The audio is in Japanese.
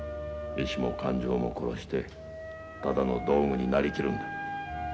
意思も感情も殺してただの道具になりきるんだ。